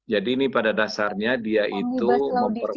jadi ini pada dasarnya dia itu memperkuat